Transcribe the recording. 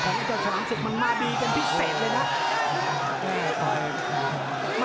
ไอ้เจ้าฉลามศึกมันมาดีเป็นพิเศษเลยนะ